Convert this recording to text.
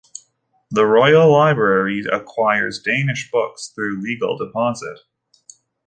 The Royal Library acquires Danish books through legal deposit.